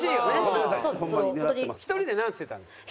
１人でなんつってたんですか？